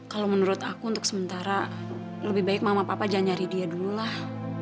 kalau menurut aku untuk sementara lebih baik mama papa jangan nyari dia dululah